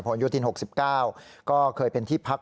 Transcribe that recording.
โยธิน๖๙ก็เคยเป็นที่พัก